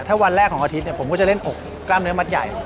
ถ้าวันแรกของอาทิตย์ผมก็จะเล่นอกกล้ามเนื้อมัดใหญ่